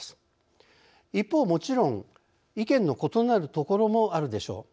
一方もちろん意見の異なるところもあるでしょう。